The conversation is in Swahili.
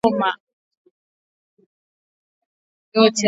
Ugonjwa wa homa ya mapafu hutokea katika misimu yote ya mwaka